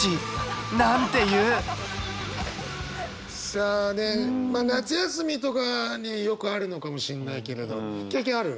さあまあ夏休みとかによくあるのかもしれないけれど経験ある？